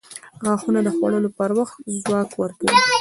• غاښونه د خوړلو پر وخت ځواک ورکوي.